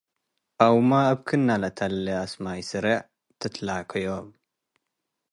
አውመ እብ ክእነ ለተሌ እብ አስማይ ስሬዕ ትትላከዮም ።